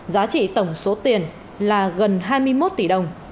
giá trị tổng số tiền là gần hai mươi một tỷ đồng